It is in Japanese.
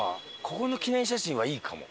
ここの記念写真はいいかも。